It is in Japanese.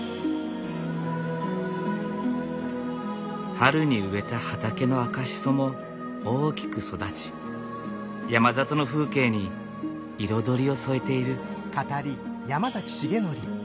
春に植えた畑の赤シソも大きく育ち山里の風景に彩りを添えている。